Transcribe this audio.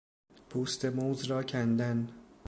پوست موز را کندن